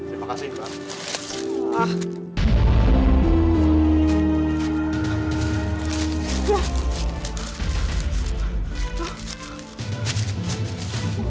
terima kasih mbak